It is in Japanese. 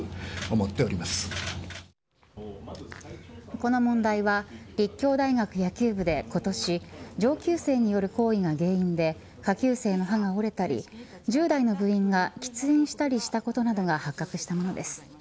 この問題は立教大学野球部で今年上級生による行為が原因で下級生の歯が折れたり１０代の部員が喫煙したりしたことなどが発覚したものです。